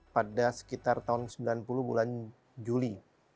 pada sekitar tahun sembilan puluh bulan juli